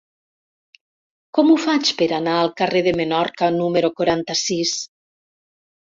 Com ho faig per anar al carrer de Menorca número quaranta-sis?